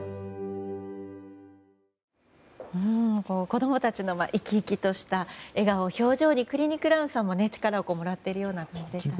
子供たちの生き生きとした笑顔や表情に、クリニクラウンも力をもらっているような感じでした。